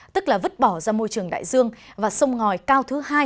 tức là vứt bỏ ra môi trường đại dương và sông ngòi cao thứ hai